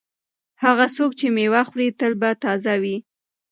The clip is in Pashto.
هغه څوک چې مېوه خوري تل به تازه وي.